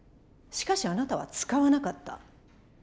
しかしあなたは使わなかった。